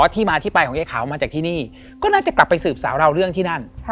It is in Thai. ที่มาที่ไปของยายขาวมาจากที่นี่ก็น่าจะกลับไปสืบสาวเราเรื่องที่นั่น